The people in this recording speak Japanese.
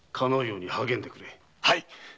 はい。